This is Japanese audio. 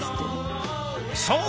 そう！